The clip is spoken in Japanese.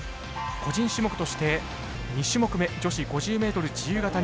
個人種目として２種目目女子５０ｍ自由形に出場。